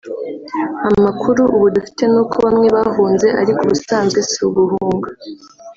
Amakuru ubu dufite n’uko bamwe bahunze ariko ubusanzwe si uguhunga